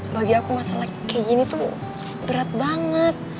bagi aku masalah kayak gini tuh berat banget